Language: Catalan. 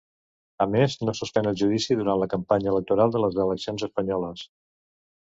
A més, no suspèn el judici durant la campanya electoral de les eleccions espanyoles.